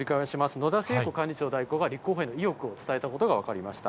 野田聖子幹事長代行が立候補への意欲を伝えたことが分かりました。